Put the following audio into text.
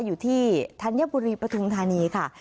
อยู่ที่ธัญบุรีปทุงธานีค่ะ